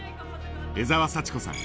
江澤佐知子さん。